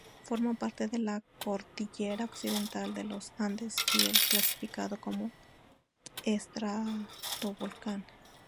Forma parte de la cordillera Occidental de los Andes y es clasificado como estratovolcán.